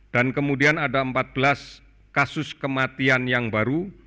dan kemudian ada empat belas kasus kematian yang baru